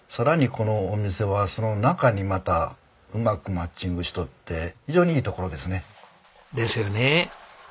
このお店はその中にまたうまくマッチングしとって非常にいい所ですね。ですよね。